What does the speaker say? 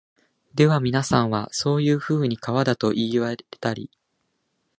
ではみなさんは、そういうふうに川だと云いわれたり、